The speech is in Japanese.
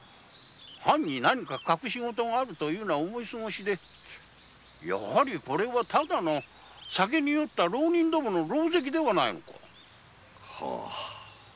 藩に隠しごとがあるというのは思いすごしでやはり酒に酔った浪人どもの単なるろうぜきではないのか？